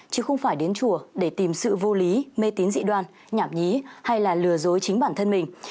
chứ không phải đến chùa để tìm sự vô lý mê tín dị đoan nhảm nhí hay là lừa dối chính bản thân mình